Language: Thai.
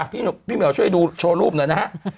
พี่เหมียวช่วยดูโชว์รูปหน่อยนะฮะ